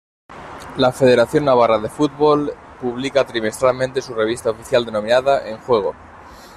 La Federación Navarra de Fútbol publica trimestralmente su revista oficial denominada "En Juego".